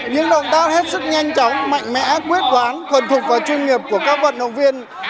những động tác hết sức nhanh chóng mạnh mẽ quyết quán thuần thuộc vào chuyên nghiệp của các vận động viên